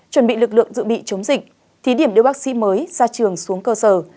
chuẩn bị lực lượng dự bị chống dịch thí điểm đưa bác sĩ mới ra trường xuống cơ sở